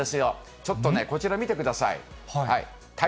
ちょっとね、こちら見てください。